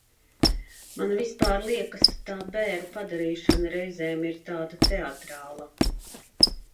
Man vispār liekas tā bēru padarīšana reizēm ir tāda teatrāla.